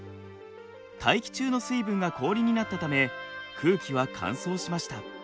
大気中の水分が氷になったため空気は乾燥しました。